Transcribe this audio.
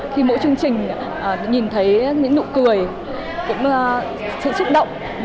khi mỗi chương trình nhìn thấy những nụ cười cũng sự xúc động